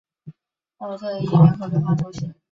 欧特伊人口变化图示